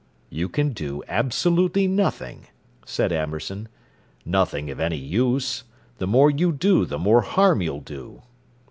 "You can do absolutely nothing," said Amberson. "Nothing of any use. The more you do the more harm you'll do."